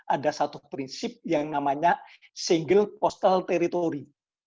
ada satu prinsip yang namanya single postal territory